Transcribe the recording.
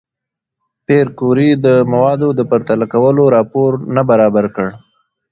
پېیر کوري د موادو د پرتله کولو راپور نه برابر کړ؟